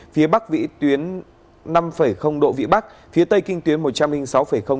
phía bắc vĩ tuyến năm độ vĩ bắc phía tây kinh tuyến một trăm linh sáu